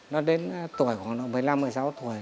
nó đến tuổi khoảng độ một mươi năm một mươi sáu tuổi